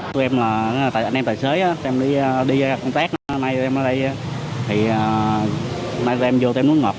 tụi em là anh em tài xế tụi em đi công tác nay tụi em ở đây thì nay tụi em vô tên nước ngọt